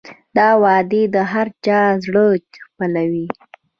دا وعدې د هر چا زړه خپلوي.